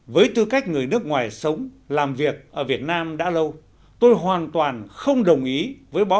với tư cách người nước ngoài sống làm việc ở việt nam đã lâu tôi hoàn toàn không đồng ý với báo